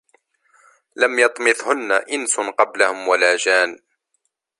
لَم يَطمِثهُنَّ إِنسٌ قَبلَهُم وَلا جانٌّ